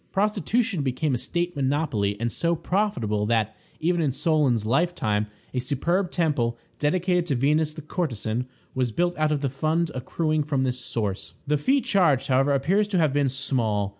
Prostitution became a state monopoly, and so profitable that, even in Solon's lifetime, a superb temple, dedicated to Venus the courtesan, was built out of the fund accruing from this source. The fee charged, however, appears to have been small.